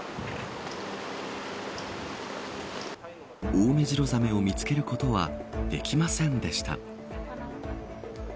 オオメジロザメを見つけることはできませんでした。